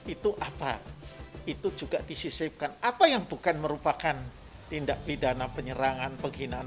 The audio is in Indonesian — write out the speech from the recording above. itu apa itu juga disisipkan apa yang bukan merupakan tindak pidana penyerangan penghinaan